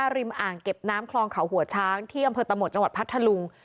ริมอ่างเก็บน้ำคลองเขาหัวช้างที่อำเภอตะหมดจังหวัดพัทธลุง